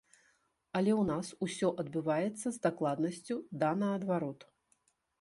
Але ў нас усё адбываецца з дакладнасцю да наадварот.